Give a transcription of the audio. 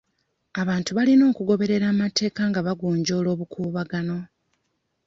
Abantu balina okugoberera amateeka nga bagonjoola obukuubagano..